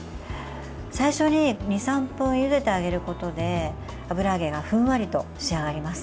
最初に２３分ゆでてあげることで油揚げがふんわりと仕上がります。